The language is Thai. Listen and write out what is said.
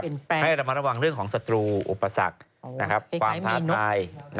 เป็นแปลงให้ระมารวังเรื่องของศัตรูอุปสรรคนะครับความพ้ายโอ้มีนมีหนุ่ม